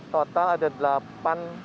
total ada delapan